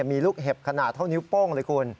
มีลูกเห็บขนาดเท่านิ้วโป้งเลยคุณ